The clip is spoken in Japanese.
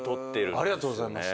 ありがとうございます。